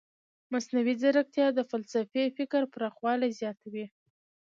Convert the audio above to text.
مصنوعي ځیرکتیا د فلسفي فکر پراخوالی زیاتوي.